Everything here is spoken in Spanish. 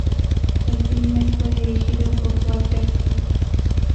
El filme fue dirigido por Walter Hill.